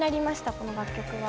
この楽曲は。